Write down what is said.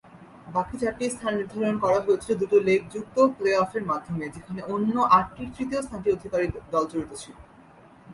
বাকি চারটি স্থান নির্ধারণ করা হয়েছিল দুই-লেগযুক্ত প্লে-অফের মাধ্যমে, যেখানে অন্য আটটি তৃতীয় স্থান অধিকারী দল জড়িত ছিল।